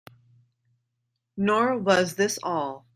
Nor was this all.